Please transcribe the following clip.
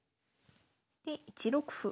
で１六歩。